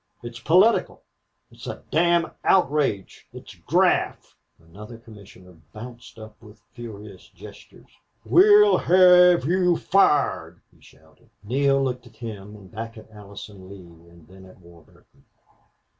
It's political. It's a damned outrage. It's graft." Another commissioner bounced up with furious gestures. "We'll have you fired!" he shouted. Neale looked at him and back at Allison Lee and then at Warburton.